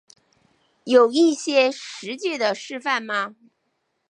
有一些实际的示范吗